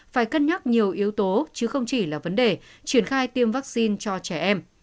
phải cân nhắc nhiều yếu tố chứ không chỉ là vấn đề triển khai tiêm vaccine cho trẻ em